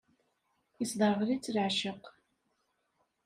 Isderɣel-itt leεceq.